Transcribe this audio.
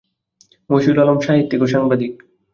মশিউল আলম সাহিত্যিক ও সাংবাদিক।